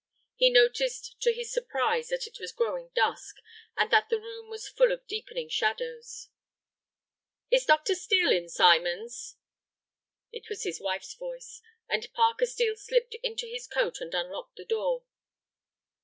He noticed to his surprise that it was growing dark, and that the room was full of deepening shadows. "Is Dr. Steel in, Symons?" It was his wife's voice, and Parker Steel slipped into his coat and unlocked the door.